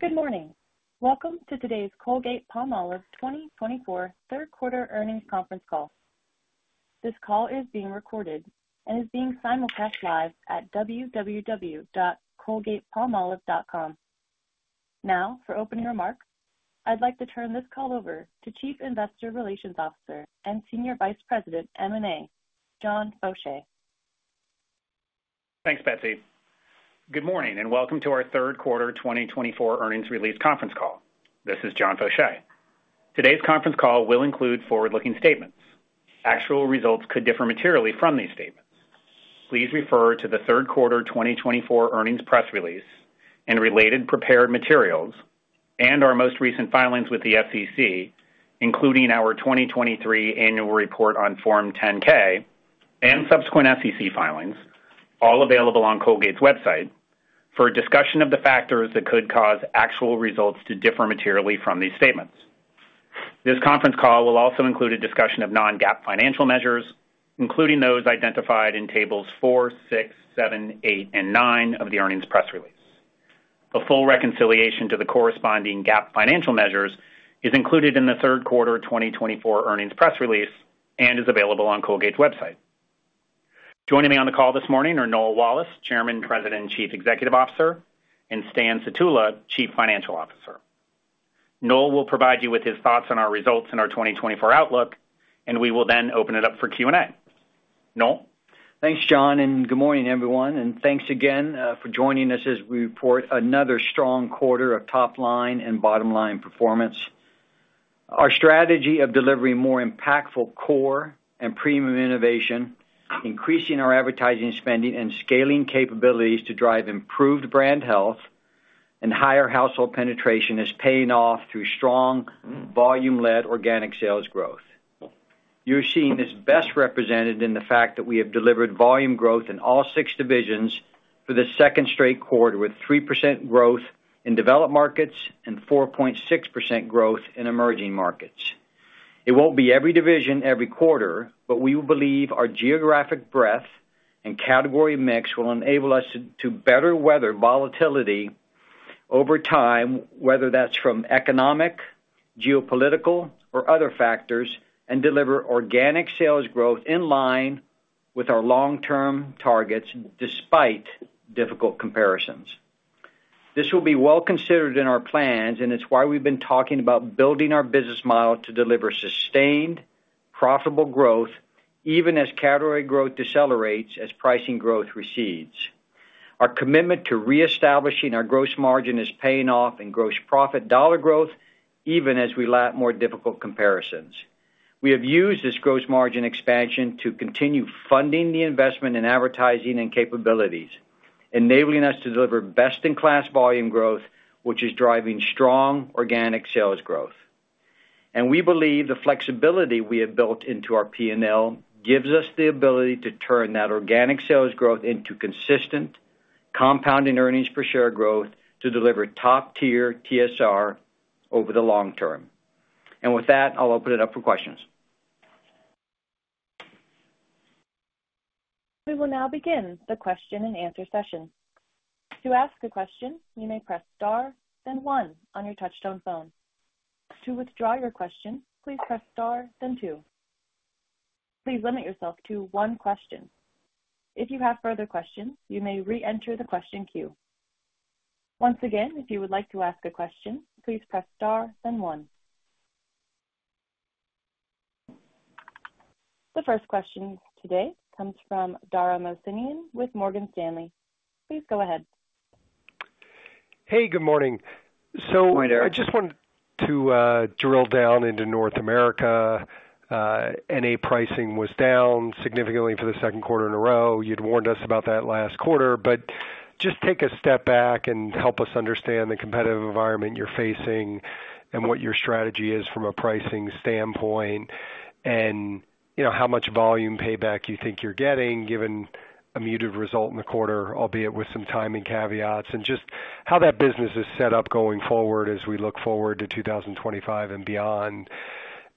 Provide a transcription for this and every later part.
Good morning. Welcome to today's Colgate-Palmolive twenty twenty-four third quarter earnings conference call. This call is being recorded and is being simulcast live at www.colgatepalmolive.com. Now, for opening remarks, I'd like to turn this call over to Chief Investor Relations Officer and Senior Vice President, M&A, John Faucher. Thanks, Betsy. Good morning, and welcome to our third quarter twenty twenty-four earnings release conference call. This is John Faucher. Today's conference call will include forward-looking statements. Actual results could differ materially from these statements. Please refer to the third quarter twenty twenty-four earnings press release and related prepared materials and our most recent filings with the SEC, including our twenty twenty-three annual report on Form 10-K and subsequent SEC filings, all available on Colgate's website, for a discussion of the factors that could cause actual results to differ materially from these statements. This conference call will also include a discussion of non-GAAP financial measures, including those identified in tables four, six, seven, eight, and nine of the earnings press release. A full reconciliation to the corresponding GAAP financial measures is included in the third quarter twenty twenty-four earnings press release and is available on Colgate's website. Joining me on the call this morning are Noel Wallace, Chairman, President, and Chief Executive Officer, and Stan Sutula, Chief Financial Officer. Noel will provide you with his thoughts on our results in our 2024 outlook, and we will then open it up for Q&A. Noel? Thanks, John, and good morning, everyone, and thanks again for joining us as we report another strong quarter of top line and bottom line performance. Our strategy of delivering more impactful core and premium innovation, increasing our advertising spending and scaling capabilities to drive improved brand health and higher household penetration, is paying off through strong volume-led organic sales growth. You're seeing this best represented in the fact that we have delivered volume growth in all six divisions for the second straight quarter, with 3% growth in developed markets and 4.6% growth in emerging markets. It won't be every division, every quarter, but we believe our geographic breadth and category mix will enable us to better weather volatility over time, whether that's from economic, geopolitical, or other factors, and deliver organic sales growth in line with our long-term targets, despite difficult comparisons. This will be well considered in our plans, and it's why we've been talking about building our business model to deliver sustained, profitable growth, even as category growth decelerates, as pricing growth recedes. Our commitment to reestablishing our gross margin is paying off in gross profit dollar growth, even as we lap more difficult comparisons. We have used this gross margin expansion to continue funding the investment in advertising and capabilities, enabling us to deliver best-in-class volume growth, which is driving strong organic sales growth, and we believe the flexibility we have built into our P&L gives us the ability to turn that organic sales growth into consistent compounding earnings per share growth to deliver top-tier TSR over the long term, and with that, I'll open it up for questions. We will now begin the question-and-answer session. To ask a question, you may press star, then one on your touchtone phone. To withdraw your question, please press Star, then two. Please limit yourself to one question. If you have further questions, you may reenter the question queue. Once again, if you would like to ask a question, please press star, then one. The first question today comes from Dara Mohsenian with Morgan Stanley. Please go ahead. Hey, good morning. Good morning, Dara. So I just wanted to, drill down into North America. NA pricing was down significantly for the second quarter in a row. You'd warned us about that last quarter, but just take a step back and help us understand the competitive environment you're facing and what your strategy is from a pricing standpoint, and, you know, how much volume payback you think you're getting, given a muted result in the quarter, albeit with some timing caveats, and just how that business is set up going forward as we look forward to two thousand and twenty-five and beyond.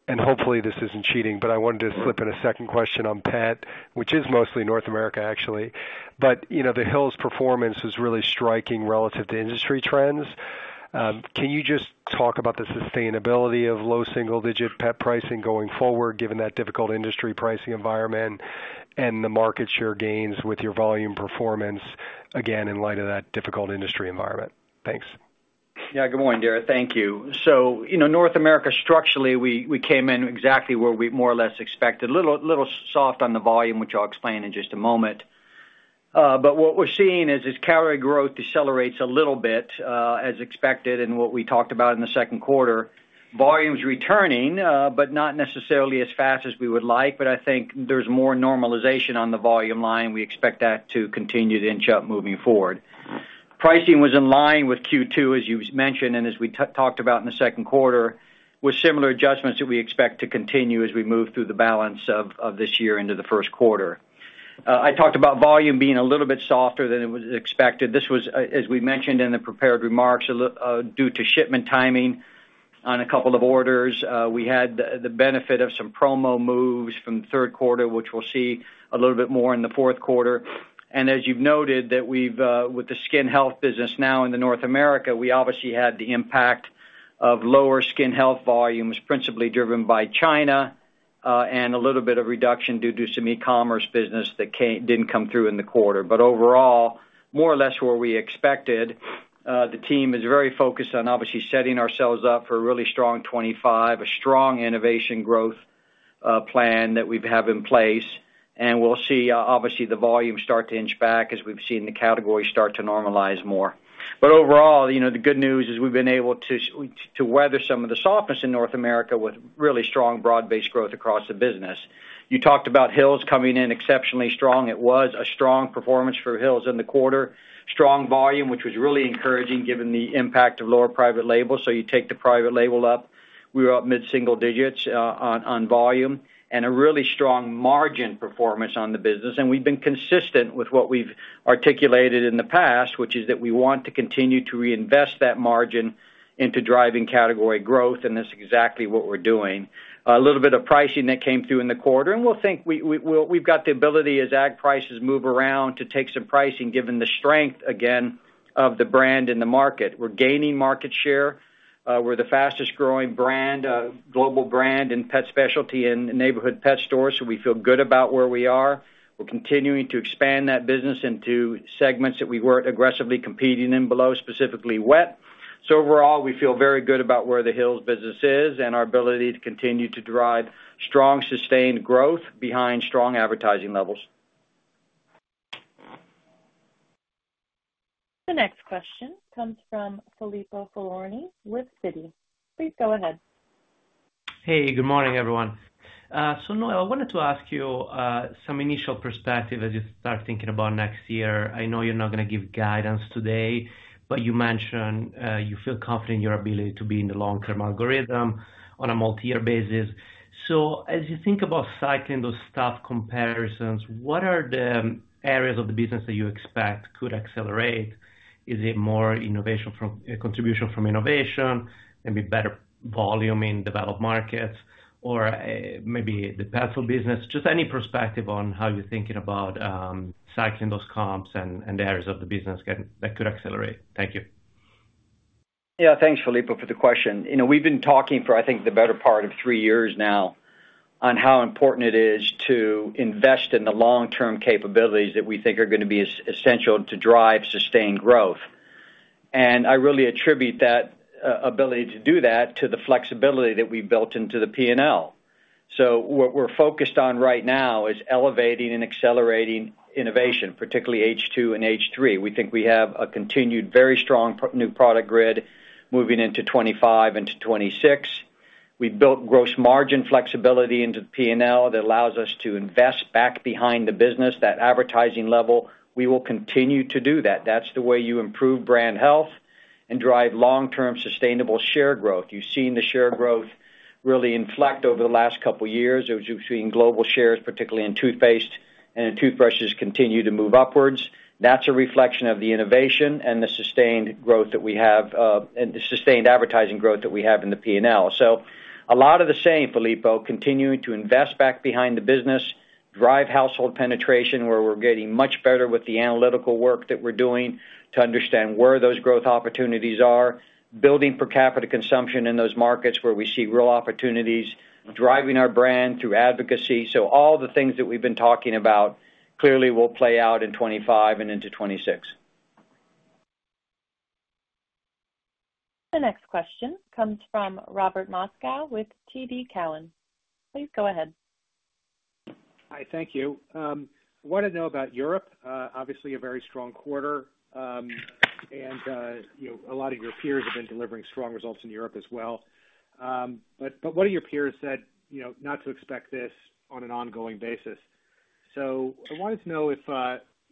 And hopefully, this isn't cheating, but I wanted to slip in a second question on pet, which is mostly North America, actually. But, you know, the Hill's performance is really striking relative to industry trends. Can you just talk about the sustainability of low single digit pet pricing going forward, given that difficult industry pricing environment and the market share gains with your volume performance, again, in light of that difficult industry environment? Thanks. Yeah. Good morning, Dara. Thank you, so you know, North America, structurally, we came in exactly where we more or less expected. A little soft on the volume, which I'll explain in just a moment, but what we're seeing is, as category growth decelerates a little bit, as expected and what we talked about in the second quarter, volume's returning, but not necessarily as fast as we would like, but I think there's more normalization on the volume line. We expect that to continue to inch up moving forward. Pricing was in line with Q2, as you mentioned, and as we talked about in the second quarter, with similar adjustments that we expect to continue as we move through the balance of this year into the first quarter. I talked about volume being a little bit softer than it was expected. This was as we mentioned in the prepared remarks, a little due to shipment timing on a couple of orders. We had the benefit of some promo moves from the third quarter, which we'll see a little bit more in the fourth quarter. As you've noted that we've with the skin health business now in North America, we obviously had the impact of lower skin health volumes, principally driven by China, and a little bit of reduction due to some e-commerce business that didn't come through in the quarter. Overall, more or less where we expected. The team is very focused on obviously setting ourselves up for a really strong 2025, a strong innovation growth plan that we've had in place, and we'll see obviously the volume start to inch back as we've seen the category start to normalize more. But overall, you know, the good news is we've been able to weather some of the softness in North America with really strong broad-based growth across the business. You talked about Hill's coming in exceptionally strong. It was a strong performance for Hill's in the quarter. Strong volume, which was really encouraging given the impact of lower private label. So you take the private label out. We were up mid-single digits on volume, and a really strong margin performance on the business. And we've been consistent with what we've articulated in the past, which is that we want to continue to reinvest that margin into driving category growth, and that's exactly what we're doing. A little bit of pricing that came through in the quarter, and we think we've got the ability as ag prices move around, to take some pricing, given the strength, again, of the brand in the market. We're gaining market share. We're the fastest growing brand, global brand in pet specialty in neighborhood pet stores, so we feel good about where we are. We're continuing to expand that business into segments that we weren't aggressively competing in below, specifically wet. So overall, we feel very good about where the Hill's business is and our ability to continue to drive strong, sustained growth behind strong advertising levels. The next question comes from Filippo Falorni with Citi. Please go ahead. Hey, good morning, everyone. So Noel, I wanted to ask you some initial perspective as you start thinking about next year. I know you're not gonna give guidance today, but you mentioned you feel confident in your ability to be in the long-term algorithm on a multi-year basis. So as you think about cycling those tough comparisons, what are the areas of the business that you expect could accelerate? Is it more innovation, contribution from innovation, maybe better volume in developed markets, or maybe the personal business? Just any perspective on how you're thinking about cycling those comps and the areas of the business that could accelerate. Thank you. Yeah, thanks, Filippo, for the question. You know, we've been talking for, I think, the better part of three years now, on how important it is to invest in the long-term capabilities that we think are gonna be essential to drive sustained growth, and I really attribute that ability to do that to the flexibility that we built into the P&L, so what we're focused on right now is elevating and accelerating innovation, particularly H2 and H3. We think we have a continued, very strong new product grid moving into 2025, into 2026. We've built gross margin flexibility into the P&L that allows us to invest back behind the business, that advertising level. We will continue to do that. That's the way you improve brand health and drive long-term, sustainable share growth. You've seen the share growth really inflect over the last couple of years, as you've seen global shares, particularly in toothpaste and in toothbrushes, continue to move upwards. That's a reflection of the innovation and the sustained growth that we have, and the sustained advertising growth that we have in the P&L. So a lot of the same, Filippo, continuing to invest back behind the business, drive household penetration, where we're getting much better with the analytical work that we're doing to understand where those growth opportunities are, building per capita consumption in those markets where we see real opportunities, driving our brand through advocacy. So all the things that we've been talking about clearly will play out in 2025 and into 2026. The next question comes from Robert Moskow with TD Cowen. Please go ahead. Hi, thank you. I wanted to know about Europe. Obviously, a very strong quarter, and, you know, a lot of your peers have been delivering strong results in Europe as well. But one of your peers said, you know, not to expect this on an ongoing basis. So I wanted to know if,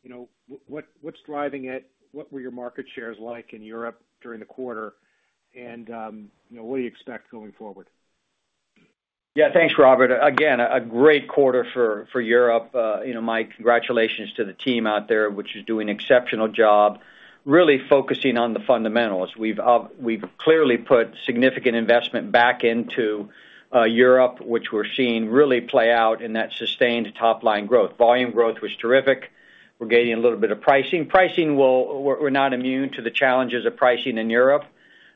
you know, what, what's driving it? What were your market shares like in Europe during the quarter? And, you know, what do you expect going forward? Yeah, thanks, Robert. Again, a great quarter for Europe. You know, my congratulations to the team out there, which is doing an exceptional job, really focusing on the fundamentals. We've clearly put significant investment back into Europe, which we're seeing really play out in that sustained top-line growth. Volume growth was terrific. We're getting a little bit of pricing. Pricing we're not immune to the challenges of pricing in Europe,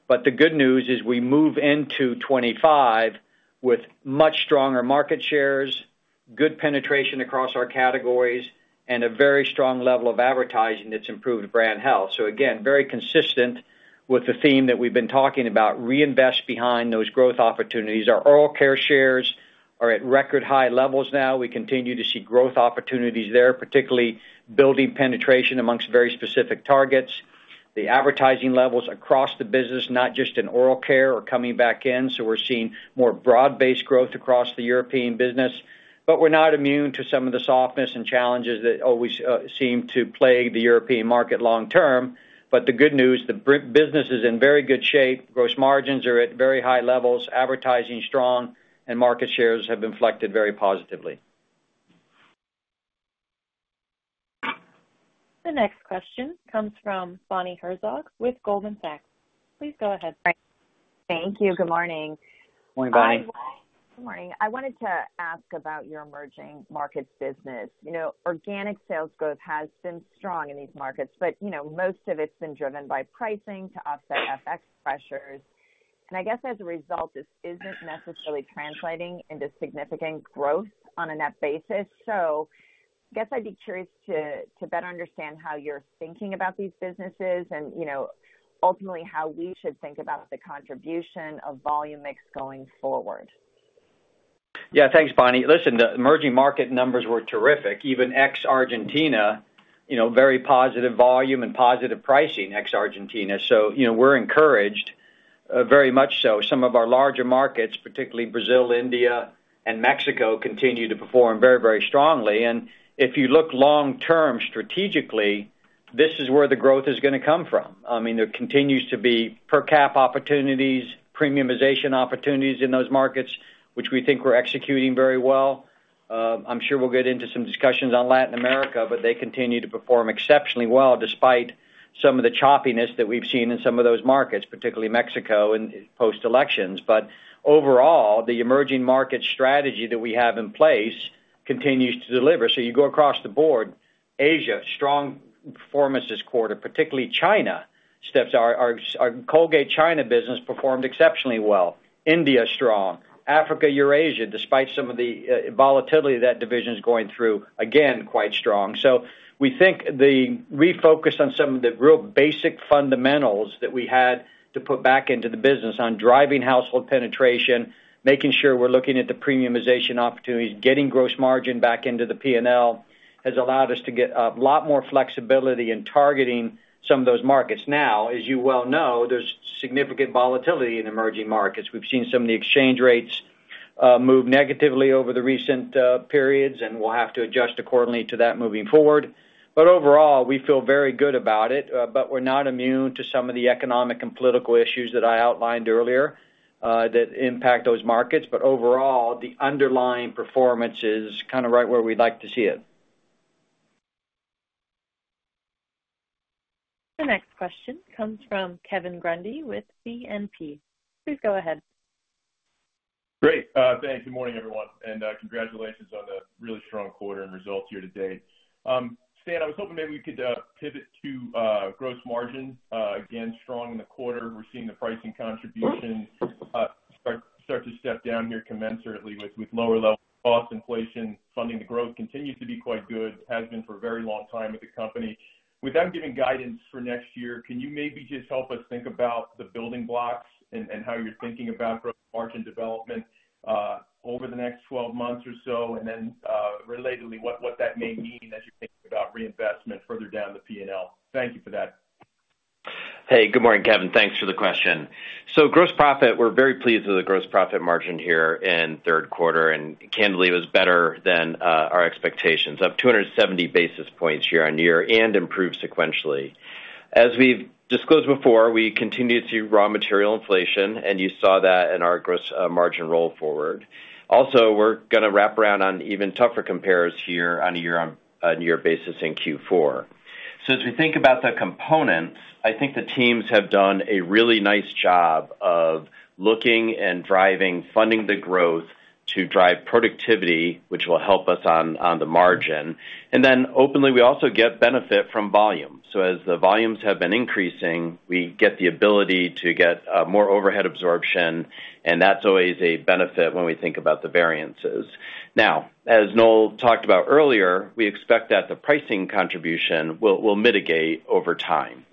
but the good news is we move into 2025 with much stronger market shares, good penetration across our categories, and a very strong level of advertising that's improved brand health. So again, very consistent with the theme that we've been talking about, reinvest behind those growth opportunities. Our oral care shares are at record high levels now. We continue to see growth opportunities there, particularly building penetration among very specific targets. The advertising levels across the business, not just in oral care, are coming back in, so we're seeing more broad-based growth across the European business. But we're not immune to some of the softness and challenges that always seem to plague the European market long term. But the good news, the business is in very good shape. Gross margins are at very high levels, advertising strong, and market shares have inflected very positively. The next question comes from Bonnie Herzog with Goldman Sachs. Please go ahead. Thank you. Good morning. Good morning, Bonnie. Good morning. I wanted to ask about your emerging markets business. You know, organic sales growth has been strong in these markets, but, you know, most of it's been driven by pricing to offset FX pressures, and I guess, as a result, this isn't necessarily translating into significant growth on a net basis, so I guess I'd be curious to better understand how you're thinking about these businesses and, you know, ultimately, how we should think about the contribution of volume mix going forward. Yeah, thanks, Bonnie. Listen, the emerging market numbers were terrific. Even ex-Argentina, you know, very positive volume and positive pricing, ex-Argentina. So, you know, we're encouraged, very much so. Some of our larger markets, particularly Brazil, India, and Mexico, continue to perform very, very strongly. And if you look long-term, strategically, this is where the growth is gonna come from. I mean, there continues to be per cap opportunities, premiumization opportunities in those markets, which we think we're executing very well. I'm sure we'll get into some discussions on Latin America, but they continue to perform exceptionally well, despite some of the choppiness that we've seen in some of those markets, particularly Mexico and post-elections. But overall, the emerging market strategy that we have in place continues to deliver. So you go across the board, Asia, strong performance this quarter, particularly China. Our Colgate China business performed exceptionally well. India, strong. Africa, Eurasia, despite some of the volatility that division is going through, again, quite strong. So we think the refocus on some of the real basic fundamentals that we had to put back into the business on driving household penetration, making sure we're looking at the premiumization opportunities, getting gross margin back into the P&L, has allowed us to get a lot more flexibility in targeting some of those markets. Now, as you well know, there's significant volatility in emerging markets. We've seen some of the exchange rates move negatively over the recent periods, and we'll have to adjust accordingly to that moving forward. But overall, we feel very good about it, but we're not immune to some of the economic and political issues that I outlined earlier, that impact those markets. But overall, the underlying performance is kind of right where we'd like to see it. The next question comes from Kevin Grundy with BNP. Please go ahead. Great, thanks. Good morning, everyone, and congratulations on the really strong quarter and results here to date. Stan, I was hoping maybe we could pivot to gross margin. Again, strong in the quarter. We're seeing the pricing contribution start to step down here commensurately with lower level cost inflation. Funding the growth continues to be quite good, has been for a very long time with the company. Without giving guidance for next year, can you maybe just help us think about the building blocks and how you're thinking about gross margin development over the next twelve months or so? And then, relatedly, what that may mean as you think about reinvestment further down the P&L? Thank you for that. Hey, good morning, Kevin. Thanks for the question. So gross profit, we're very pleased with the gross profit margin here in third quarter, and candidly, it was better than our expectations, up 270 basis points year on year and improved sequentially. As we've disclosed before, we continue to see raw material inflation, and you saw that in our gross margin roll forward. Also, we're gonna wrap around on even tougher compares here on a year on a year basis in Q4. So as we think about the components, I think the teams have done a really nice job of looking and driving, funding the growth to drive productivity, which will help us on the margin. And then openly, we also get benefit from volume. So as the volumes have been increasing, we get the ability to get more overhead absorption, and that's always a benefit when we think about the variances. Now, as Noel talked about earlier, we expect that the pricing contribution will mitigate over time.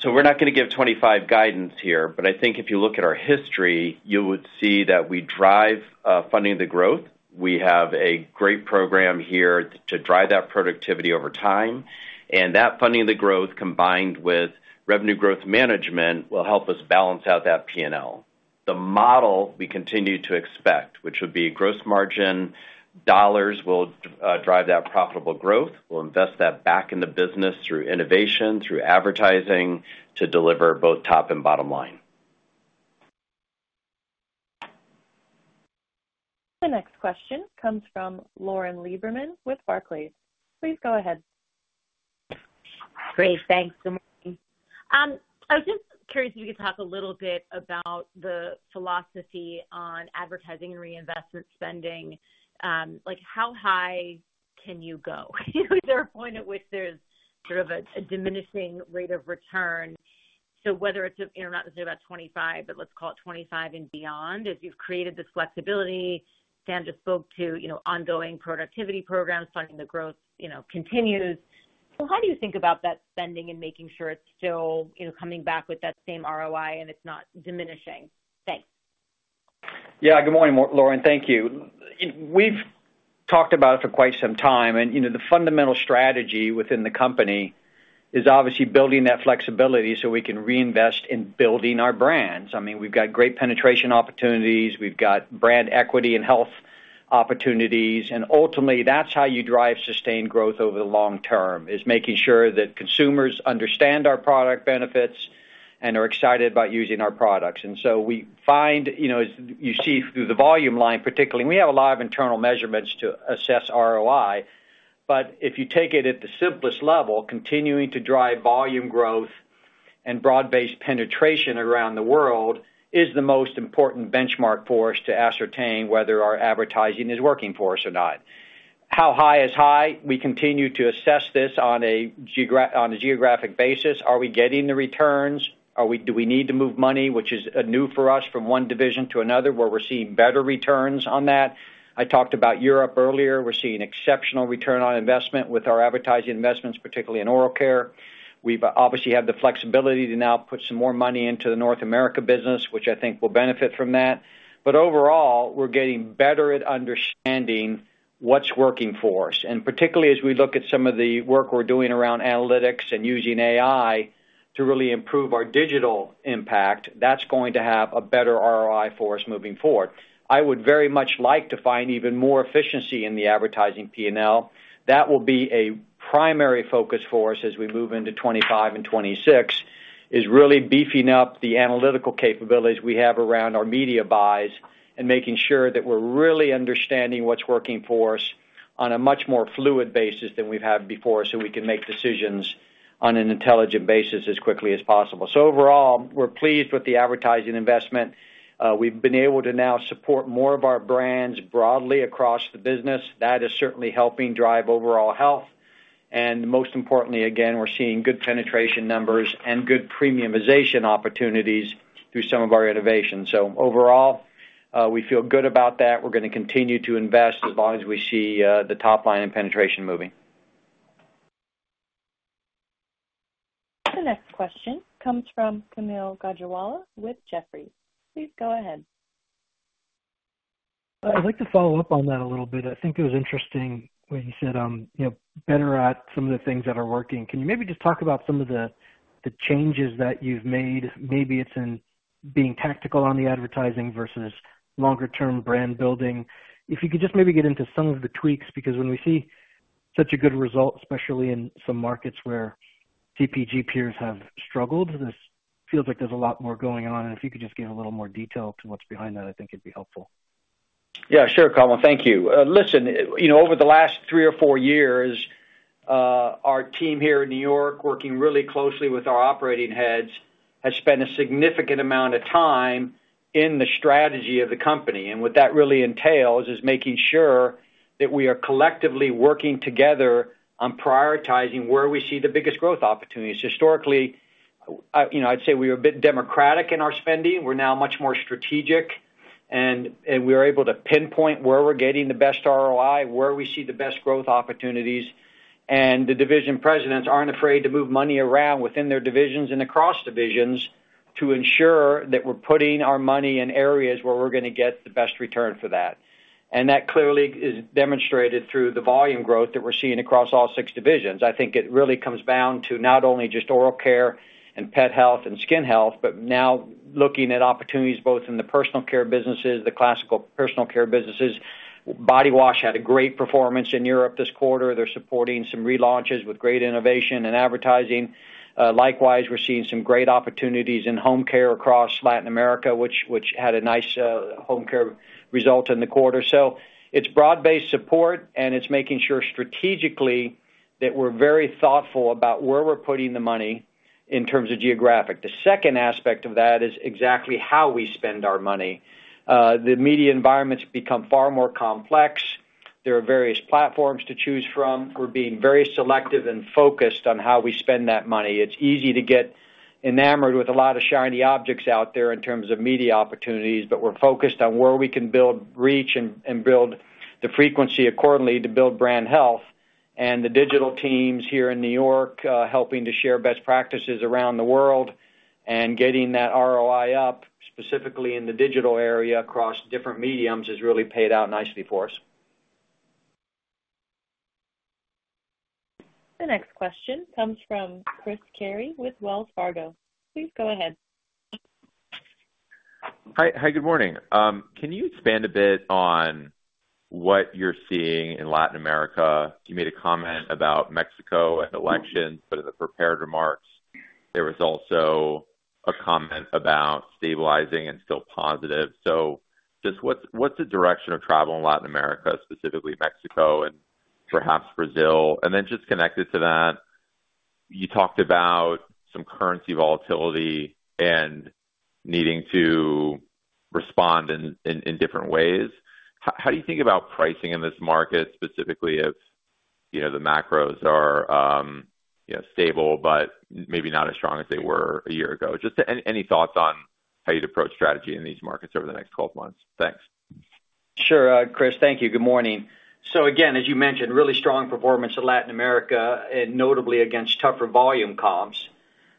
So we're not gonna give 25 guidance here, but I think if you look at our history, you would see that we drive funding the growth. We have a great program here to drive that productivity over time, and that funding the growth, combined with revenue growth management, will help us balance out that P&L. The model we continue to expect, which would be gross margin dollars, will drive that profitable growth. We'll invest that back in the business through innovation, through advertising, to deliver both top and bottom line. The next question comes from Lauren Lieberman with Barclays. Please go ahead. Great, thanks. Good morning. I was just curious if you could talk a little bit about the philosophy on advertising and reinvestment spending. Like, how high can you go? Is there a point at which there's sort of a, a diminishing rate of return? So whether it's, you know, not necessarily about twenty-five, but let's call it twenty-five and beyond, as you've created this flexibility, Stan just spoke to, you know, ongoing productivity programs, funding the growth, you know, continues. So how do you think about that spending and making sure it's still, you know, coming back with that same ROI and it's not diminishing? Thanks. Yeah. Good morning, Lauren. Thank you. We've talked about it for quite some time, and, you know, the fundamental strategy within the company is obviously building that flexibility so we can reinvest in building our brands. I mean, we've got great penetration opportunities, we've got brand equity and health opportunities, and ultimately, that's how you drive sustained growth over the long term, is making sure that consumers understand our product benefits and are excited about using our products, and so we find, you know, as you see through the volume line, particularly, we have a lot of internal measurements to assess ROI, but if you take it at the simplest level, continuing to drive volume growth and broad-based penetration around the world is the most important benchmark for us to ascertain whether our advertising is working for us or not. How high is high? We continue to assess this on a geographic basis. Are we getting the returns? Do we need to move money, which is new for us, from one division to another, where we're seeing better returns on that? I talked about Europe earlier. We're seeing exceptional return on investment with our advertising investments, particularly in oral care. We obviously have the flexibility to now put some more money into the North America business, which I think will benefit from that. But overall, we're getting better at understanding what's working for us, and particularly as we look at some of the work we're doing around analytics and using AI to really improve our digital impact, that's going to have a better ROI for us moving forward. I would very much like to find even more efficiency in the advertising P&L. That will be a primary focus for us as we move into 2025 and 2026, is really beefing up the analytical capabilities we have around our media buys and making sure that we're really understanding what's working for us on a much more fluid basis than we've had before, so we can make decisions on an intelligent basis as quickly as possible. So overall, we're pleased with the advertising investment. We've been able to now support more of our brands broadly across the business. That is certainly helping drive overall health, and most importantly, again, we're seeing good penetration numbers and good premiumization opportunities through some of our innovations, so overall, we feel good about that. We're gonna continue to invest as long as we see the top line and penetration moving. The next question comes from Kamil Gajewala with Jefferies. Please go ahead. I'd like to follow up on that a little bit. I think it was interesting when you said, you know, better at some of the things that are working. Can you maybe just talk about some of the changes that you've made? Maybe it's in being tactical on the advertising versus longer-term brand building. If you could just maybe get into some of the tweaks, because when we see such a good result, especially in some markets where CPG peers have struggled, this feels like there's a lot more going on, and if you could just give a little more detail to what's behind that, I think it'd be helpful. Yeah, sure, Kamil. Thank you. Listen, you know, over the last three or four years, our team here in New York, working really closely with our operating heads, has spent a significant amount of time in the strategy of the company. And what that really entails is making sure that we are collectively working together on prioritizing where we see the biggest growth opportunities. Historically, you know, I'd say we were a bit democratic in our spending. We're now much more strategic, and we are able to pinpoint where we're getting the best ROI, where we see the best growth opportunities. And the division presidents aren't afraid to move money around within their divisions and across divisions to ensure that we're putting our money in areas where we're gonna get the best return for that. And that clearly is demonstrated through the volume growth that we're seeing across all six divisions. I think it really comes down to not only just oral care and pet health and skin health, but now looking at opportunities, both in the personal care businesses, the classical personal care businesses. Body wash had a great performance in Europe this quarter. They're supporting some relaunches with great innovation and advertising. Likewise, we're seeing some great opportunities in home care across Latin America, which had a nice home care result in the quarter. So it's broad-based support, and it's making sure strategically that we're very thoughtful about where we're putting the money in terms of geographic. The second aspect of that is exactly how we spend our money. The media environment's become far more complex. There are various platforms to choose from. We're being very selective and focused on how we spend that money. It's easy to get enamored with a lot of shiny objects out there in terms of media opportunities, but we're focused on where we can build, reach, and build the frequency accordingly to build brand health, and the digital teams here in New York helping to share best practices around the world and getting that ROI up, specifically in the digital area, across different mediums, has really paid out nicely for us. The next question comes from Chris Carey with Wells Fargo. Please go ahead. Hi, hi, good morning. Can you expand a bit on what you're seeing in Latin America? You made a comment about Mexico and elections, but in the prepared remarks, there was also a comment about stabilizing and still positive. So just what's the direction of travel in Latin America, specifically Mexico and perhaps Brazil? And then just connected to that, you talked about some currency volatility and needing to respond in different ways. How do you think about pricing in this market, specifically if you know the macros are you know stable, but maybe not as strong as they were a year ago? Just any thoughts on how you'd approach strategy in these markets over the next 12 months? Thanks. Sure, Chris. Thank you. Good morning. So again, as you mentioned, really strong performance in Latin America, and notably against tougher volume comps.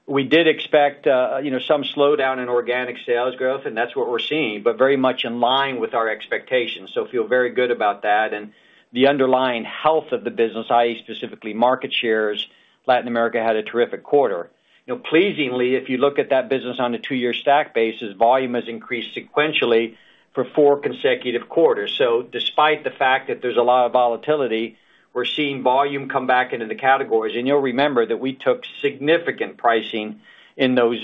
We did expect, you know, some slowdown in organic sales growth, and that's what we're seeing, but very much in line with our expectations, so feel very good about that. And the underlying health of the business, i.e., specifically market shares, Latin America had a terrific quarter. You know, pleasingly, if you look at that business on a two-year stack basis, volume has increased sequentially for four consecutive quarters. So despite the fact that there's a lot of volatility, we're seeing volume come back into the categories. And you'll remember that we took significant pricing in those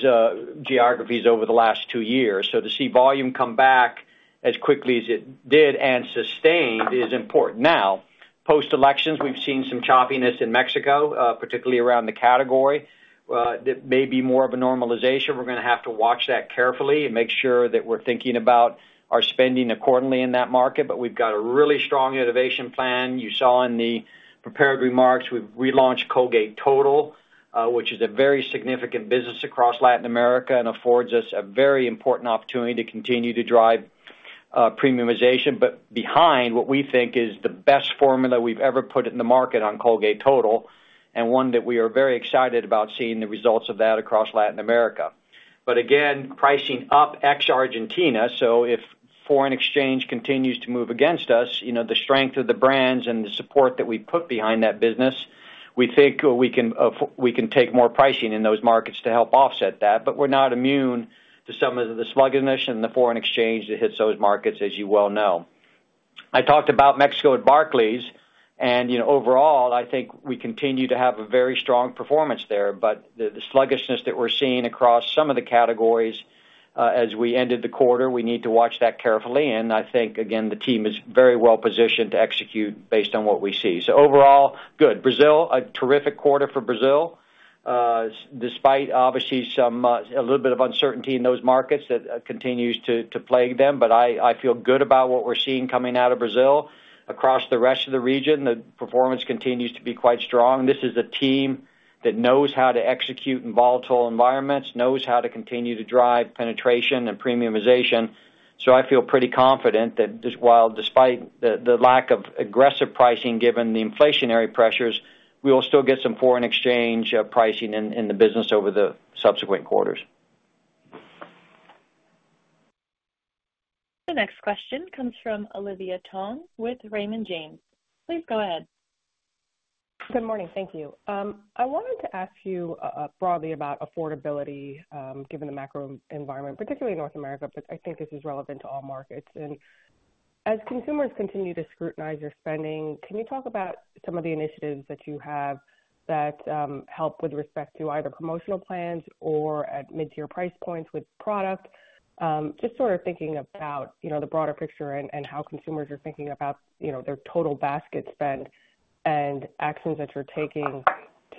geographies over the last two years. So to see volume come back as quickly as it did and sustained is important. Now, post-elections, we've seen some choppiness in Mexico, particularly around the category, that may be more of a normalization. We're gonna have to watch that carefully and make sure that we're thinking about our spending accordingly in that market. But we've got a really strong innovation plan. You saw in the prepared remarks, we've relaunched Colgate Total, which is a very significant business across Latin America and affords us a very important opportunity to continue to drive, premiumization. But behind what we think is the best formula we've ever put in the market on Colgate Total, and one that we are very excited about seeing the results of that across Latin America. But again, pricing up ex-Argentina, so if foreign exchange continues to move against us, you know, the strength of the brands and the support that we put behind that business, we think we can, we can take more pricing in those markets to help offset that. But we're not immune to some of the sluggishness and the foreign exchange that hits those markets, as you well know. I talked about Mexico at Barclays, and, you know, overall, I think we continue to have a very strong performance there. But the sluggishness that we're seeing across some of the categories, as we ended the quarter, we need to watch that carefully, and I think, again, the team is very well-positioned to execute based on what we see. So overall, good. Brazil, a terrific quarter for Brazil, despite obviously, some, a little bit of uncertainty in those markets that continues to plague them. But I feel good about what we're seeing coming out of Brazil. Across the rest of the region, the performance continues to be quite strong. This is a team that knows how to execute in volatile environments, knows how to continue to drive penetration and premiumization, so I feel pretty confident that just while despite the, the lack of aggressive pricing, given the inflationary pressures, we will still get some foreign exchange, pricing in, in the business over the subsequent quarters. The next question comes from Olivia Tong with Raymond James. Please go ahead. Good morning. Thank you. I wanted to ask you, broadly about affordability, given the macro environment, particularly in North America, but I think this is relevant to all markets. As consumers continue to scrutinize your spending, can you talk about some of the initiatives that you have that help with respect to either promotional plans or at mid-tier price points with product? Just sort of thinking about, you know, the broader picture and how consumers are thinking about, you know, their total basket spend and actions that you're taking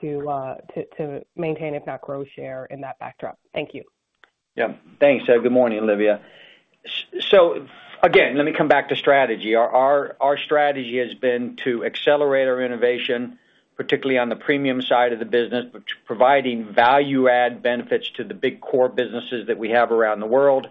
to maintain, if not grow, share in that backdrop. Thank you. Yeah. Thanks. So good morning, Olivia. So again, let me come back to strategy. Our strategy has been to accelerate our innovation, particularly on the premium side of the business, but providing value add benefits to the big core businesses that we have around the world,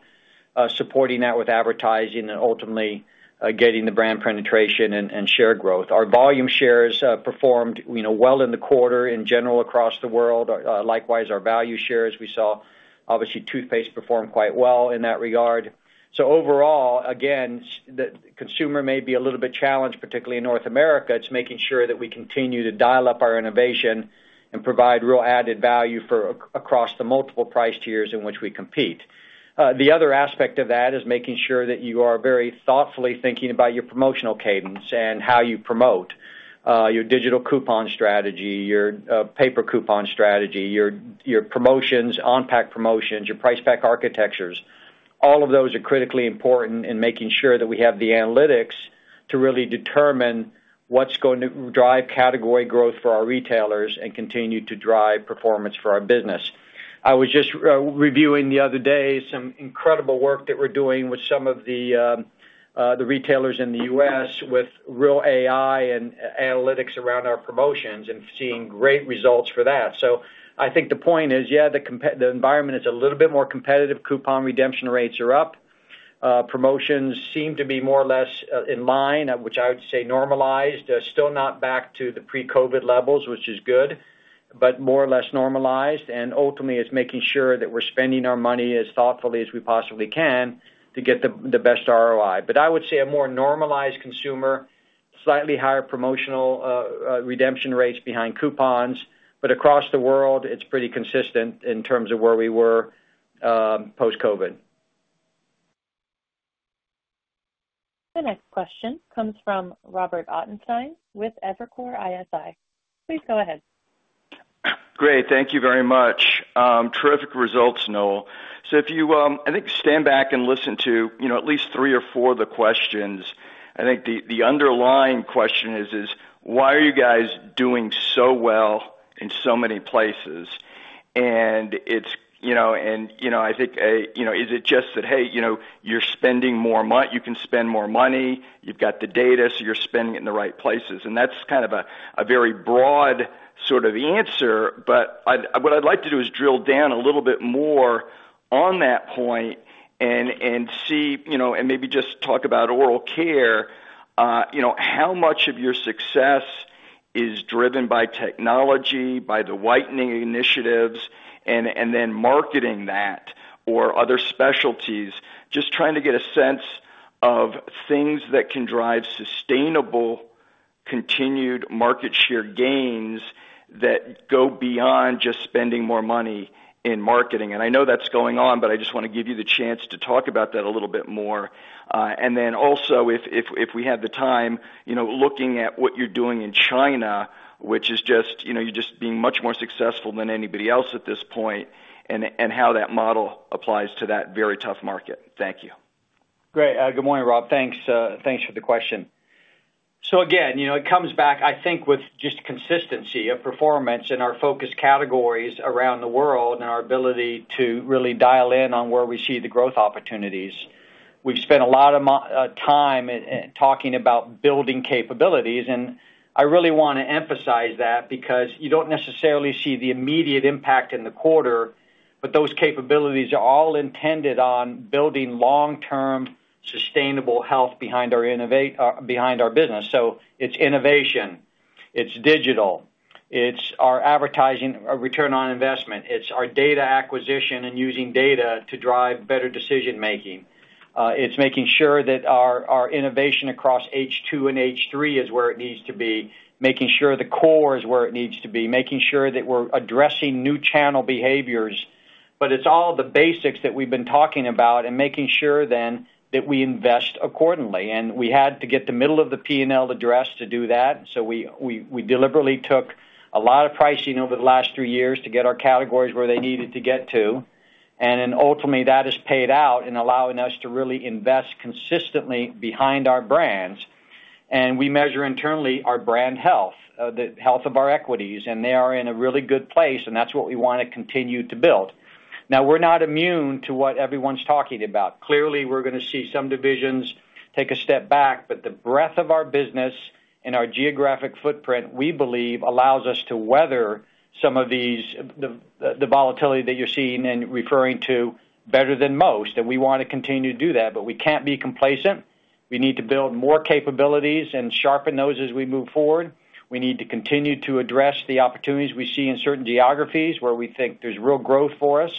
supporting that with advertising and ultimately getting the brand penetration and share growth. Our volume shares performed, you know, well in the quarter in general, across the world. Likewise, our value shares, we saw, obviously, toothpaste perform quite well in that regard. So overall, again, the consumer may be a little bit challenged, particularly in North America. It's making sure that we continue to dial up our innovation and provide real added value for across the multiple price tiers in which we compete. The other aspect of that is making sure that you are very thoughtfully thinking about your promotional cadence and how you promote your digital coupon strategy, your paper coupon strategy, your promotions, on-pack promotions, your price pack architectures. All of those are critically important in making sure that we have the analytics to really determine what's going to drive category growth for our retailers and continue to drive performance for our business. I was just reviewing the other day some incredible work that we're doing with some of the retailers in the US with real AI and analytics around our promotions and seeing great results for that. So I think the point is, yeah, the environment is a little bit more competitive. Coupon redemption rates are up. Promotions seem to be more or less in line, which I would say normalized, still not back to the pre-COVID levels, which is good, but more or less normalized. And ultimately, it's making sure that we're spending our money as thoughtfully as we possibly can to get the best ROI. But I would say a more normalized consumer, slightly higher promotional redemption rates behind coupons, but across the world, it's pretty consistent in terms of where we were post-COVID. The next question comes from Robert Ottenstein with Evercore ISI. Please go ahead. Great. Thank you very much. Terrific results, Noel. So if you, I think stand back and listen to, you know, at least three or four of the questions, I think the, the underlying question is, is why are you guys doing so well in so many places? And it's, you know, and, you know, I think, is it just that, hey, you know, you're spending more mon- you can spend more money, you've got the data, so you're spending it in the right places? And that's kind of a, a very broad sort of answer, but I'd, what I'd like to do is drill down a little bit more on that point and, and see, you know, and maybe just talk about oral care. You know, how much of your success is driven by technology, by the whitening initiatives, and then marketing that or other specialties? Just trying to get a sense of things that can drive sustainable, continued market share gains that go beyond just spending more money in marketing. And I know that's going on, but I just wanna give you the chance to talk about that a little bit more. And then also, if we have the time, you know, looking at what you're doing in China, which is just, you know, you're just being much more successful than anybody else at this point, and how that model applies to that very tough market. Thank you. Great. Good morning, Rob. Thanks for the question. So again, you know, it comes back, I think, with just consistency of performance in our focus categories around the world and our ability to really dial in on where we see the growth opportunities. We've spent a lot of time talking about building capabilities, and I really want to emphasize that because you don't necessarily see the immediate impact in the quarter, but those capabilities are all intended on building long-term, sustainable health behind our business. So it's innovation, it's digital, it's our advertising, our return on investment, it's our data acquisition and using data to drive better decision-making. It's making sure that our innovation across H2 and H3 is where it needs to be, making sure the core is where it needs to be, making sure that we're addressing new channel behaviors. But it's all the basics that we've been talking about and making sure then that we invest accordingly. We had to get the middle of the P&L addressed to do that, so we deliberately took a lot of pricing over the last three years to get our categories where they needed to get to. Then ultimately, that has paid out in allowing us to really invest consistently behind our brands. We measure internally our brand health, the health of our equities, and they are in a really good place, and that's what we wanna continue to build. Now, we're not immune to what everyone's talking about. Clearly, we're gonna see some divisions take a step back, but the breadth of our business and our geographic footprint, we believe, allows us to weather some of these, the volatility that you're seeing and referring to better than most, and we wanna continue to do that. But we can't be complacent. We need to build more capabilities and sharpen those as we move forward. We need to continue to address the opportunities we see in certain geographies where we think there's real growth for us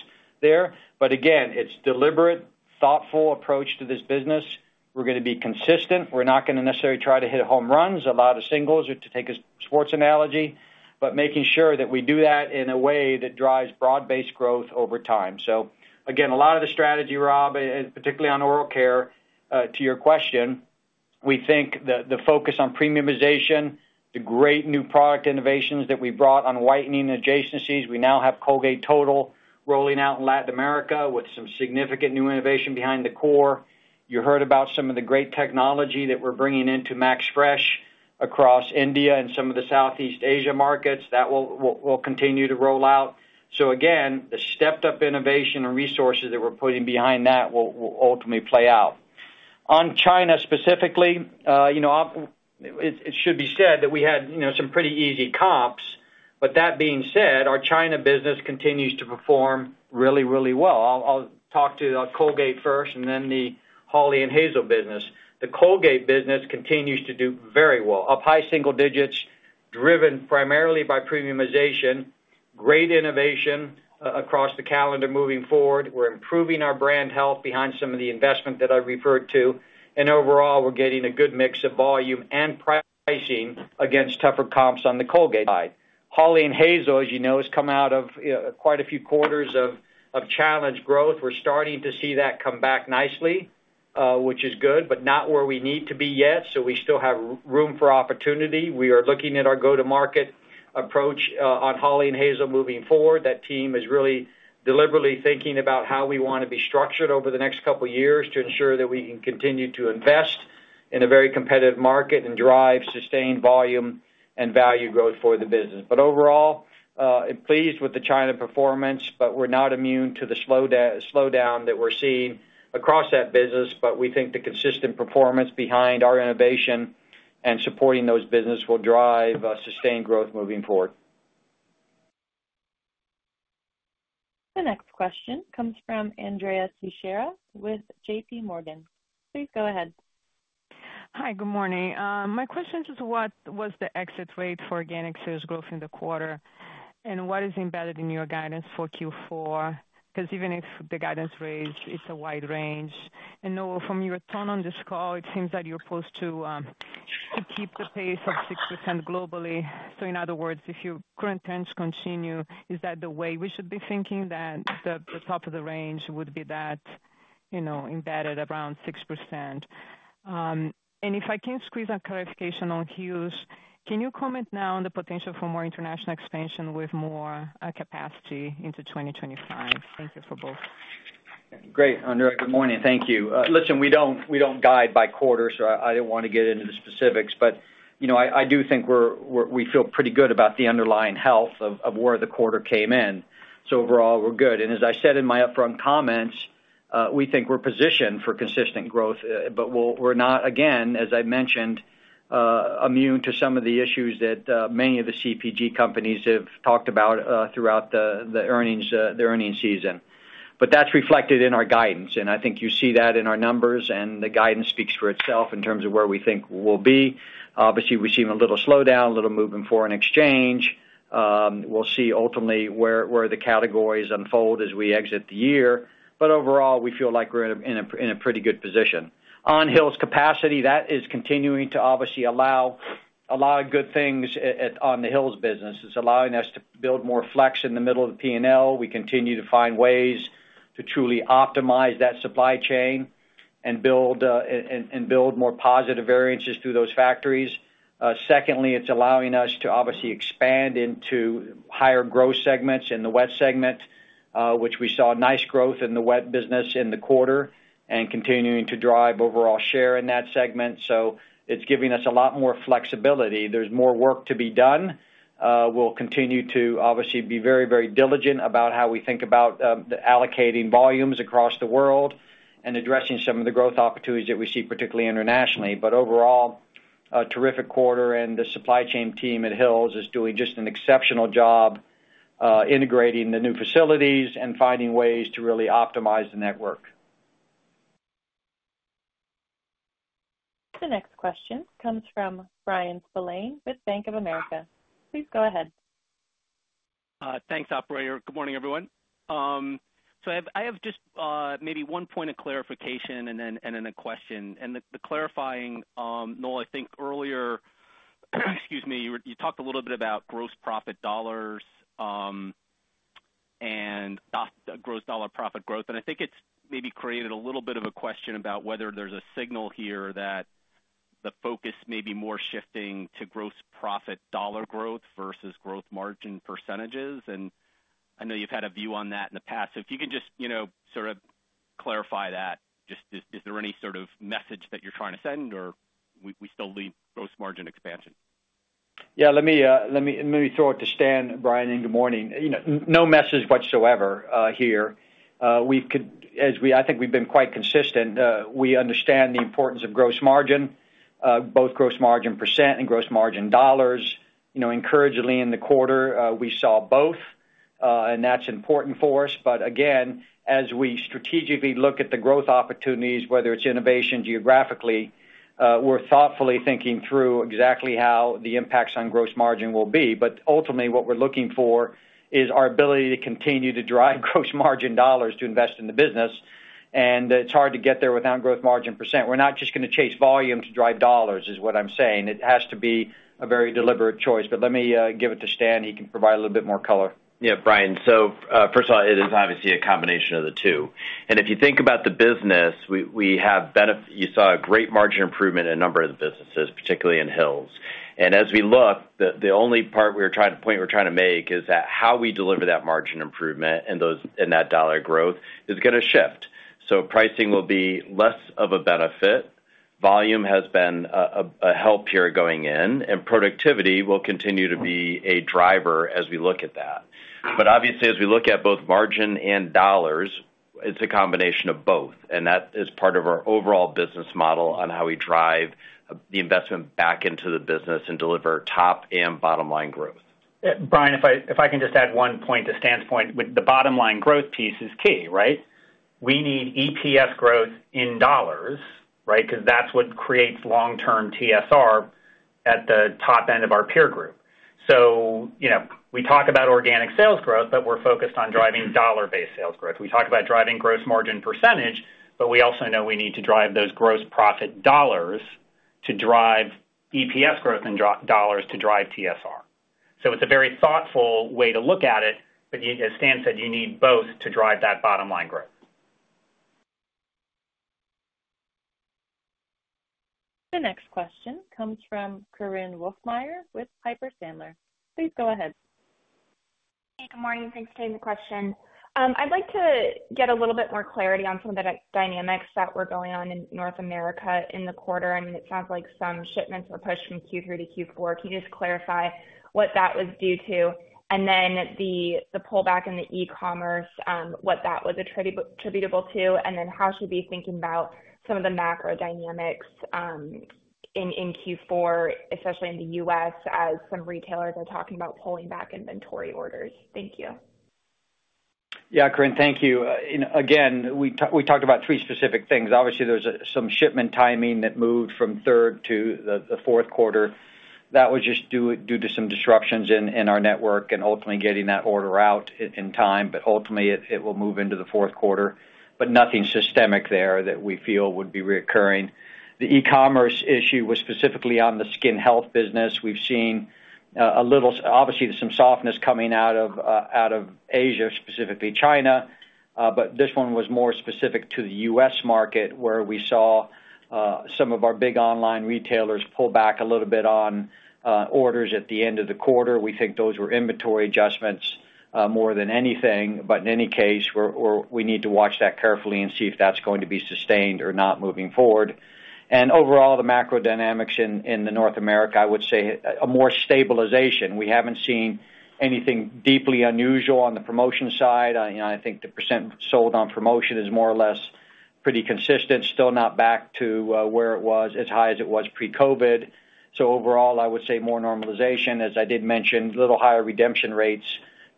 there. But again, it's deliberate, thoughtful approach to this business. We're gonna be consistent. We're not gonna necessarily try to hit home runs, a lot of singles, or to take a sports analogy, but making sure that we do that in a way that drives broad-based growth over time. So again, a lot of the strategy, Rob, particularly on oral care, to your question, we think the focus on premiumization, the great new product innovations that we brought on whitening adjacencies. We now have Colgate Total rolling out in Latin America with some significant new innovation behind the core. You heard about some of the great technology that we're bringing into MaxFresh across India and some of the Southeast Asia markets. That will continue to roll out. So again, the stepped-up innovation and resources that we're putting behind that will ultimately play out. On China, specifically, you know, it should be said that we had, you know, some pretty easy comps. But that being said, our China business continues to perform really, really well. I'll talk to Colgate first and then the Hawley & Hazel business. The Colgate business continues to do very well, up high single digits, driven primarily by premiumization, great innovation across the calendar moving forward. We're improving our brand health behind some of the investment that I referred to, and overall, we're getting a good mix of volume and pricing against tougher comps on the Colgate side. Hawley & Hazel, as you know, has come out of quite a few quarters of challenged growth. We're starting to see that come back nicely, which is good, but not where we need to be yet, so we still have room for opportunity. We are looking at our go-to-market approach on Hawley & Hazel moving forward. That team is really deliberately thinking about how we wanna be structured over the next couple of years to ensure that we can continue to invest in a very competitive market and drive sustained volume and value growth for the business. But overall, pleased with the China performance, but we're not immune to the slowdown that we're seeing across that business, but we think the consistent performance behind our innovation and supporting those business will drive sustained growth moving forward. The next question comes from Andrea Teixeira with JP Morgan. Please go ahead. Hi, good morning. My question is, what was the exit rate for organic sales growth in the quarter? What is embedded in your guidance for Q4? Because even if the guidance raised, it's a wide range. Noel, from your tone on this call, it seems that you're supposed to keep the pace of 6% globally. So in other words, if your current trends continue, is that the way we should be thinking, that the top of the range would be that, you know, embedded around 6%? And if I can squeeze a clarification on Hill's, can you comment now on the potential for more international expansion with more capacity into 2025? Thank you for both. Great, Andrea. Good morning. Thank you. Listen, we don't guide by quarter, so I didn't wanna get into the specifics. But, you know, I do think we feel pretty good about the underlying health of where the quarter came in. So overall, we're good, and as I said in my upfront comments, we think we're positioned for consistent growth, but we're not, again, as I mentioned, immune to some of the issues that many of the CPG companies have talked about throughout the earnings season, but that's reflected in our guidance, and I think you see that in our numbers, and the guidance speaks for itself in terms of where we think we'll be. Obviously, we've seen a little slowdown, a little move in foreign exchange. We'll see ultimately where the categories unfold as we exit the year. Overall, we feel like we're in a pretty good position. On Hill's capacity, that is continuing to obviously allow a lot of good things at on the Hill's business. It's allowing us to build more flex in the middle of the P&L. We continue to find ways to truly optimize that supply chain and build more positive variances through those factories. Secondly, it's allowing us to obviously expand into higher growth segments in the wet segment, which we saw nice growth in the wet business in the quarter and continuing to drive overall share in that segment. So it's giving us a lot more flexibility. There's more work to be done. We'll continue to, obviously, be very, very diligent about how we think about the allocating volumes across the world and addressing some of the growth opportunities that we see, particularly internationally, but overall, a terrific quarter, and the supply chain team at Hill's is doing just an exceptional job, integrating the new facilities and finding ways to really optimize the network. The next question comes from Brian Spillane with Bank of America. Please go ahead. Thanks, operator. Good morning, everyone. So I have just maybe one point of clarification and then a question. And the clarifying, Noel, I think earlier, excuse me, you were-- you talked a little bit about gross profit dollars and organic gross dollar profit growth, and I think it's maybe created a little bit of a question about whether there's a signal here that the focus may be more shifting to gross profit dollar growth versus gross margin percentages. And I know you've had a view on that in the past. So if you can just, you know, sort of clarify that. Just, is there any sort of message that you're trying to send, or we still lead gross margin expansion? Yeah, let me throw it to Stan. Brian, and good morning. You know, no message whatsoever here. I think we've been quite consistent. We understand the importance of gross margin, both gross margin percent and gross margin dollars. You know, encouragingly, in the quarter, we saw both, and that's important for us. But again, as we strategically look at the growth opportunities, whether it's innovation geographically, we're thoughtfully thinking through exactly how the impacts on gross margin will be. But ultimately, what we're looking for is our ability to continue to drive gross margin dollars to invest in the business, and it's hard to get there without gross margin percent. We're not just gonna chase volume to drive dollars, is what I'm saying. It has to be a very deliberate choice. But let me give it to Stan. He can provide a little bit more color. Yeah, Brian. So, first of all, it is obviously a combination of the two. And if you think about the business, you saw a great margin improvement in a number of the businesses, particularly in Hill's. And as we look, the only part we're trying to point we're trying to make is that how we deliver that margin improvement and those, and that dollar growth is gonna shift. So pricing will be less of a benefit. Volume has been a help here going in, and productivity will continue to be a driver as we look at that. But obviously, as we look at both margin and dollars, it's a combination of both, and that is part of our overall business model on how we drive the investment back into the business and deliver top and bottom-line growth. Yeah, Brian, if I, if I can just add one point to Stan's point, with the bottom line growth piece is key, right? We need EPS growth in dollars, right? Because that's what creates long-term TSR at the top end of our peer group. So, you know, we talk about organic sales growth, but we're focused on driving dollar-based sales growth. We talk about driving gross margin percentage, but we also know we need to drive those gross profit dollars to drive EPS growth and dollars to drive TSR. So it's a very thoughtful way to look at it, but you, as Stan said, you need both to drive that bottom-line growth. The next question comes from Corinne Wolfmeyer with Piper Sandler. Please go ahead. Hey, good morning. Thanks for taking the question. I'd like to get a little bit more clarity on some of the dynamics that were going on in North America in the quarter. I mean, it sounds like some shipments were pushed from Q3 to Q4. Can you just clarify what that was due to? And then the pullback in the e-commerce, what that was attributable to, and then how should we be thinking about some of the macro dynamics, in Q4, especially in the US, as some retailers are talking about pulling back inventory orders? Thank you. Yeah, Corinne, thank you. And again, we talked about three specific things. Obviously, there's some shipment timing that moved from third to the fourth quarter. That was just due to some disruptions in our network and ultimately getting that order out in time. But ultimately, it will move into the fourth quarter, but nothing systemic there that we feel would be recurring. The e-commerce issue was specifically on the skin health business. We've seen a little. Obviously, there's some softness coming out of Asia, specifically China, but this one was more specific to the U.S. market, where we saw some of our big online retailers pull back a little bit on orders at the end of the quarter. We think those were inventory adjustments more than anything. But in any case, we need to watch that carefully and see if that's going to be sustained or not moving forward. And overall, the macro dynamics in North America, I would say, more stabilization. We haven't seen anything deeply unusual on the promotion side. You know, I think the percent sold on promotion is more or less pretty consistent, still not back to where it was, as high as it was pre-COVID. So overall, I would say more normalization. As I did mention, a little higher redemption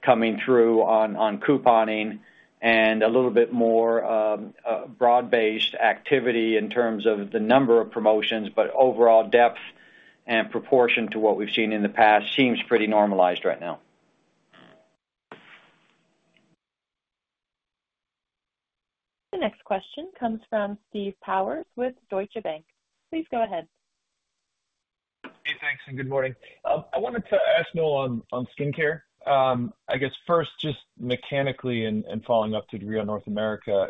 rates coming through on couponing and a little bit more broad-based activity in terms of the number of promotions. But overall, depth and proportion to what we've seen in the past seems pretty normalized right now. The next question comes from Steve Powers with Deutsche Bank. Please go ahead. Hey, thanks, and good morning. I wanted to ask Noel on skincare. I guess first, just mechanically and following up to Dara on North America,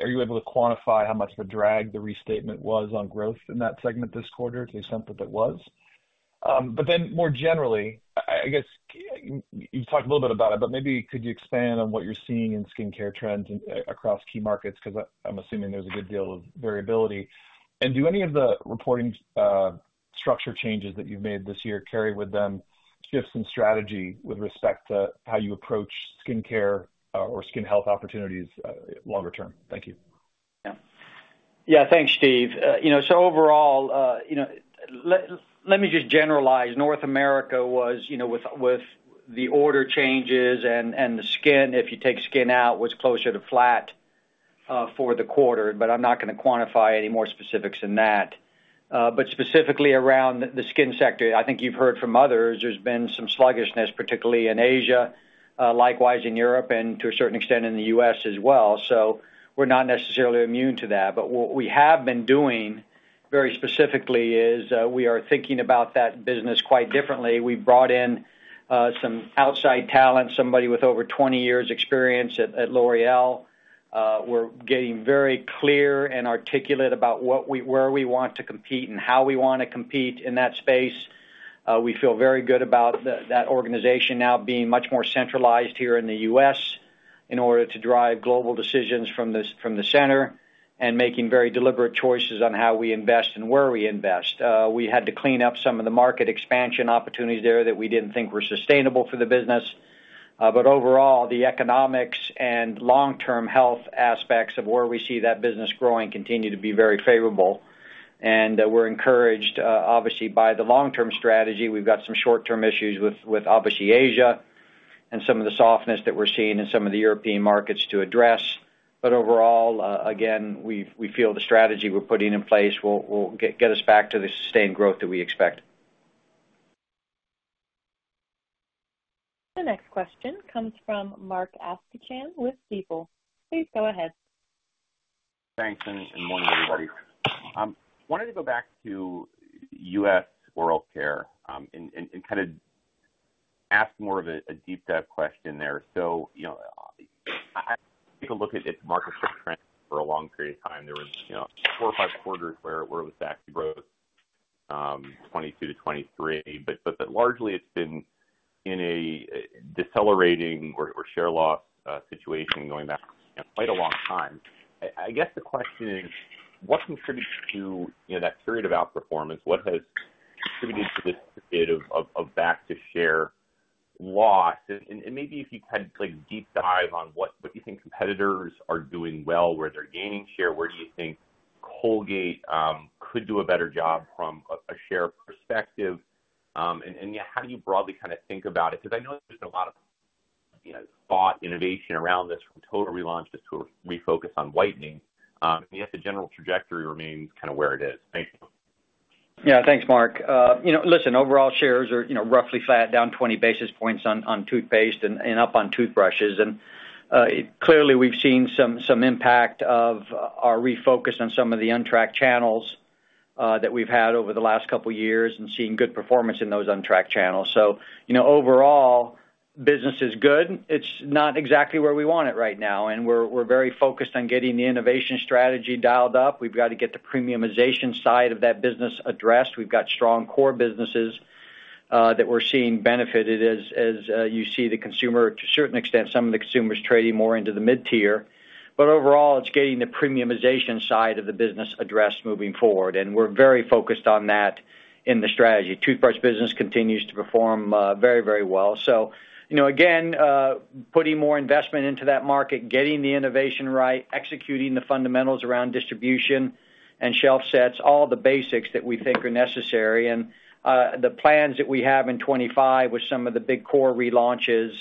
are you able to quantify how much of a drag the restatement was on growth in that segment this quarter, to the extent that it was? But then more generally, I guess you've talked a little bit about it, but maybe could you expand on what you're seeing in skincare trends across key markets because I'm assuming there's a good deal of variability. Do any of the reporting structure changes that you've made this year carry with them shifts in strategy with respect to how you approach skincare or skin health opportunities longer term? Thank you. Yeah. Yeah, thanks, Steve. You know, so overall, you know, let me just generalize. North America was, you know, with the order changes and the skin, if you take skin out, was closer to flat for the quarter, but I'm not gonna quantify any more specifics than that. But specifically around the skin sector, I think you've heard from others, there's been some sluggishness, particularly in Asia, likewise in Europe, and to a certain extent in the US as well. So we're not necessarily immune to that. But what we have been doing very specifically is, we are thinking about that business quite differently. We've brought in some outside talent, somebody with over 20 years experience at L'Oréal. We're getting very clear and articulate about where we want to compete and how we wanna compete in that space. We feel very good about that organization now being much more centralized here in the U.S., in order to drive global decisions from the center, and making very deliberate choices on how we invest and where we invest. We had to clean up some of the market expansion opportunities there that we didn't think were sustainable for the business. But overall, the economics and long-term health aspects of where we see that business growing continue to be very favorable, and we're encouraged, obviously, by the long-term strategy. We've got some short-term issues with obviously, Asia, and some of the softness that we're seeing in some of the European markets to address. But overall, again, we feel the strategy we're putting in place will get us back to the sustained growth that we expect. The next question comes from Mark Astrachan with Stifel. Please go ahead. Thanks, and morning, everybody. Wanted to go back to U.S. oral care, and kind of ask more of a deep dive question there. So, you know, if you look at its market share trends for a long period of time, there was, you know, four or five quarters where it was actually growth, 2022-2023. But largely, it's been in a decelerating or share loss situation going back quite a long time. I guess the question is: What contributes to, you know, that period of outperformance? What has contributed to this period of back to share loss? Maybe if you kind of like deep dive on what you think competitors are doing well, where they're gaining share, where do you think Colgate could do a better job from a share perspective, and how do you broadly kinda think about it? Because I know there's a lot of, you know, thought innovation around this total relaunch, this sort of refocus on whitening, and yet the general trajectory remains kinda where it is. Thank you. Yeah. Thanks, Mark. You know, listen, overall shares are, you know, roughly flat, down twenty basis points on toothpaste and up on toothbrushes. And clearly, we've seen some impact of our refocus on some of the untracked channels that we've had over the last couple of years and seen good performance in those untracked channels. So, you know, overall, business is good. It's not exactly where we want it right now, and we're very focused on getting the innovation strategy dialed up. We've got to get the premiumization side of that business addressed. We've got strong core businesses that we're seeing benefited as you see the consumer, to a certain extent, some of the consumers trading more into the mid-tier. But overall, it's getting the premiumization side of the business addressed moving forward, and we're very focused on that in the strategy. Toothbrush business continues to perform very, very well. So, you know, again, putting more investment into that market, getting the innovation right, executing the fundamentals around distribution and shelf sets, all the basics that we think are necessary. And the plans that we have in 2025, with some of the big core relaunches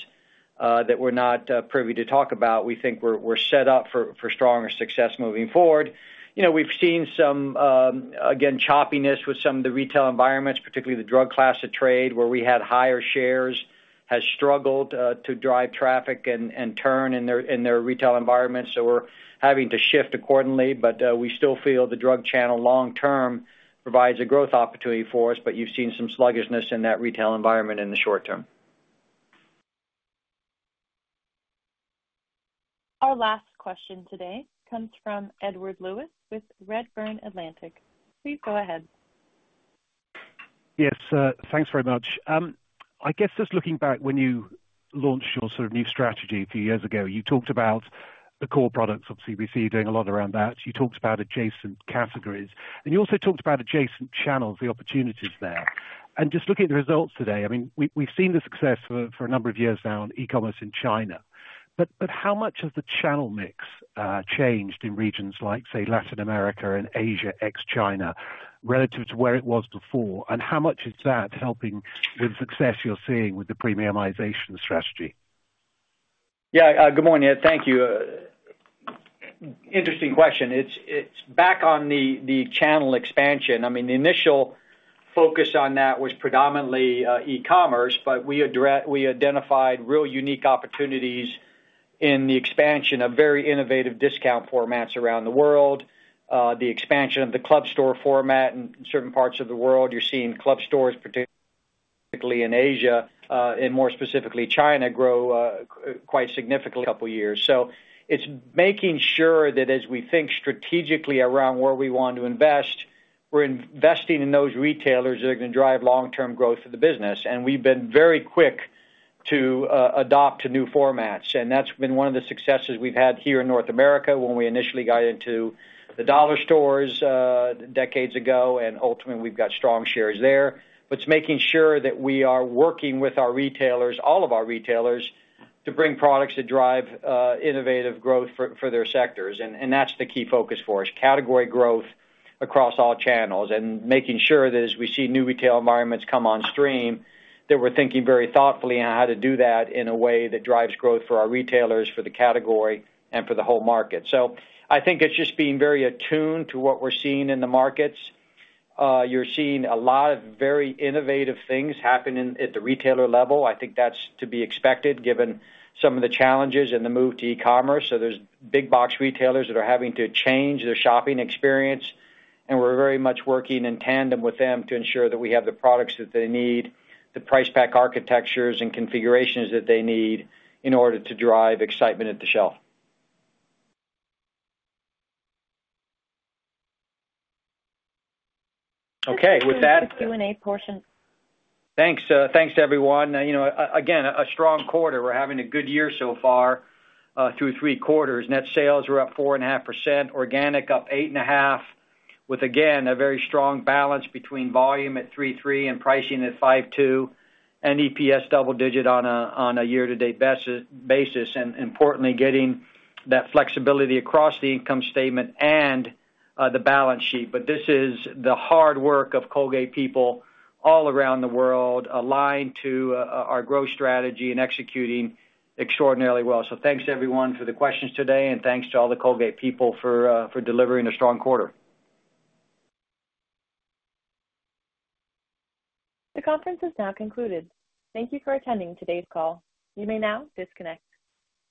that we're not privy to talk about, we think we're set up for stronger success moving forward. You know, we've seen some, again, choppiness with some of the retail environments, particularly the drug class of trade, where we had higher shares has struggled to drive traffic and turn in their retail environment, so we're having to shift accordingly. We still feel the drug channel long term provides a growth opportunity for us, but you've seen some sluggishness in that retail environment in the short term. Our last question today comes from Edward Lewis, with Redburn Atlantic. Please go ahead. Yes, thanks very much. I guess just looking back, when you launched your sort of new strategy a few years ago, you talked about the core products of CBC doing a lot around that. You talked about adjacent categories, and you also talked about adjacent channels, the opportunities there. And just looking at the results today, I mean, we've seen the success for a number of years now on e-commerce in China. But how much of the channel mix changed in regions like, say, Latin America and Asia, ex-China, relative to where it was before? And how much is that helping the success you're seeing with the premiumization strategy? Yeah, good morning, Ed. Thank you. Interesting question. It's back on the channel expansion. I mean, the initial focus on that was predominantly e-commerce, but we identified real unique opportunities in the expansion of very innovative discount formats around the world, the expansion of the club store format in certain parts of the world. You're seeing club stores, particularly in Asia, and more specifically, China, grow quite significantly couple years. So it's making sure that as we think strategically around where we want to invest, we're investing in those retailers that are going to drive long-term growth of the business. And we've been very quick to adapt to new formats, and that's been one of the successes we've had here in North America when we initially got into the dollar stores decades ago, and ultimately, we've got strong shares there. But it's making sure that we are working with our retailers, all of our retailers, to bring products that drive innovative growth for their sectors. And that's the key focus for us, category growth across all channels and making sure that as we see new retail environments come on stream, that we're thinking very thoughtfully on how to do that in a way that drives growth for our retailers, for the category and for the whole market. So I think it's just being very attuned to what we're seeing in the markets. You're seeing a lot of very innovative things happening at the retailer level. I think that's to be expected, given some of the challenges in the move to e-commerce, so there's big box retailers that are having to change their shopping experience, and we're very much working in tandem with them to ensure that we have the products that they need, the price pack architectures and configurations that they need in order to drive excitement at the shelf. Okay, with that- Q&A portion. Thanks, thanks to everyone. You know, again, a strong quarter. We're having a good year so far, through three quarters. Net sales were up 4.5%, organic up 8.5%, with, again, a very strong balance between volume at 3.3% and pricing at 5.2%, and EPS double digit on a year-to-date basis, and importantly, getting that flexibility across the income statement and the balance sheet. But this is the hard work of Colgate people all around the world, aligned to our growth strategy and executing extraordinarily well. So thanks to everyone for the questions today, and thanks to all the Colgate people for delivering a strong quarter. The conference is now concluded. Thank you for attending today's call. You may now disconnect.